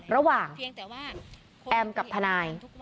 ระหว่างแอมกับทนาย